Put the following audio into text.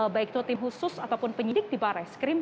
baik itu tim khusus ataupun penyidik di barreskrim